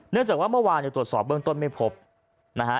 จากว่าเมื่อวานเนี่ยตรวจสอบเบื้องต้นไม่พบนะฮะ